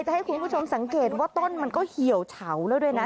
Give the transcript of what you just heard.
ให้คุณผู้ชมสังเกตว่าต้นมันก็เหี่ยวเฉาแล้วด้วยนะ